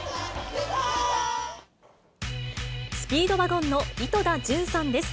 スピードワゴンの井戸田潤さんです。